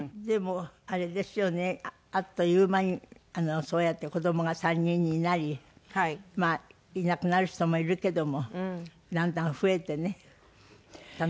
でもあれですよねあっという間にそうやって子どもが３人になりまあいなくなる人もいるけどもだんだん増えてね楽しいね。